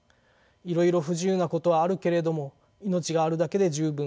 いろいろ不自由なことはあるけれども命があるだけで十分。